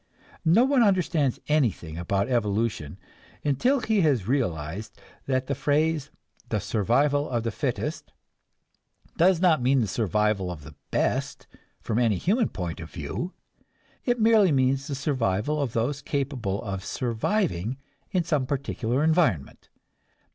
No one understands anything about evolution until he has realized that the phrase "the survival of the fittest" does not mean the survival of the best from any human point of view. It merely means the survival of those capable of surviving in some particular environment.